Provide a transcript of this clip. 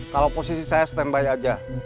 kalau posisi saya standby aja